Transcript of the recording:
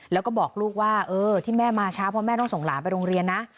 แล้วก็บอกลูกว่าเออที่แม่มาช้าเพราะแม่ต้องส่งหลานไปโรงเรียนนะ